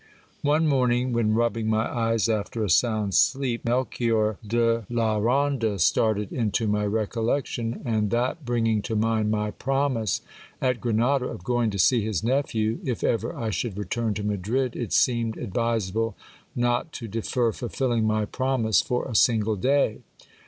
One morning when rubbing my eyes after a sound sleep, Melchior de la Ronda started into my recollection ; and that bringing to mind my promise al Grenada, of going to see his nephew, if ever I should return to Madrid, it seemec advisable not to defer fulfilling my promise for a single day.